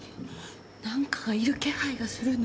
何かがいる気配がするの！